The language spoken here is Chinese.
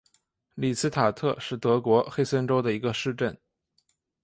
里茨塔特是德国黑森州的一个市镇。